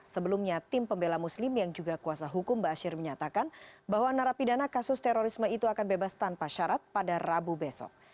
sebelumnya tim pembela muslim yang juga kuasa hukum bashir menyatakan bahwa narapidana kasus terorisme itu akan bebas tanpa syarat pada rabu besok